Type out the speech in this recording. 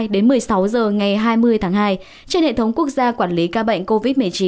đến một mươi sáu h ngày hai mươi tháng hai trên hệ thống quốc gia quản lý ca bệnh covid một mươi chín